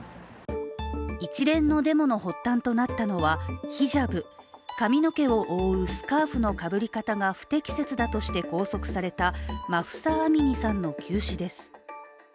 一連のデモの発端となったのはヒジャブ、髪の毛を覆うスカーフのかぶり方が不適切だとして拘束されたマフサ・アミニさんの急死です。